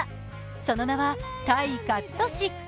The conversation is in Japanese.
その名は泰勝利。